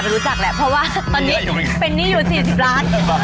เพราะว่าตอนนี้เป็นนี่อยู่๔๐ล้าน